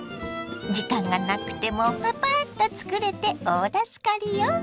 時間がなくてもパパッとつくれて大助かりよ。